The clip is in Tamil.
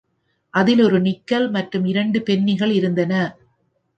அதில் ஒரு நிக்கல் மற்றும் இரண்டு பென்னிகள் இருந்தன.